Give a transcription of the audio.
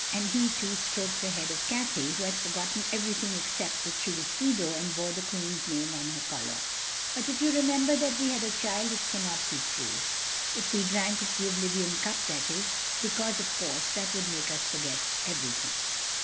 And he, too, stroked the head of Cathay, who had forgotten everything except that she was Fido and bore the Queen's name on her collar. "But if you remember that we had a child it cannot be true—if we drank of the oblivion cup, that is, because, of course, that would make us forget everything."